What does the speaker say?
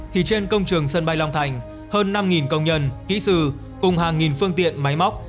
thì trên công trường sân bay long thành hơn năm công nhân kỹ sư cùng hàng nghìn phương tiện máy móc